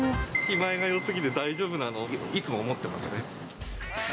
気前がよすぎて大丈夫なの？と、いつも思ってますね。